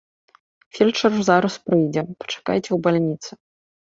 Фельчар зараз прыйдзе, пачакайце ў бальніцы.